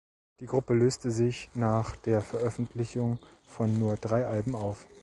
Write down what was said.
Die Gruppe löste sich nach der Veröffentlichung von nur drei Alben auf.